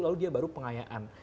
lalu dia baru pengayaan